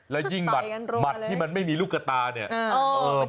แล้วยิ่งหมัดที่มันไม่มีลูกกระตาเนี่ย